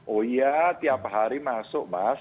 oh iya tiap hari masuk mas